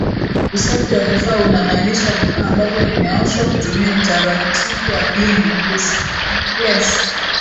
Usafi wa vifaa unamaanisha vifaa ambavyo vinaoshwa kutumia utaratibu wa Clean in Place